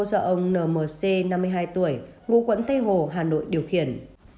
do ông nmc năm mươi hai tuổi ngụ quận tây hồ hà nội điều khiển